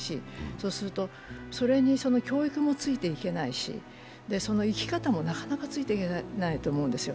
そうするとそれに教育もついていけないし、生き方もなかなかついていけないと思うんですよ。